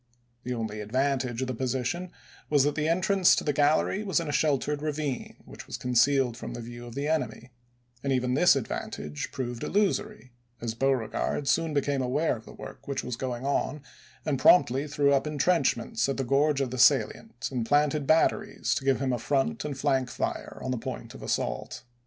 The only advantage of the position was that the entrance to the gallery was in a sheltered ravine, which was concealed from the view of the enemy; and even this advantage proved illusory, as Beauregard soon became aware of the work which was going on, and promptly threw up in trenchments at the gorge of the salient, and planted batteries to give him a front and flank fire on the point of assault.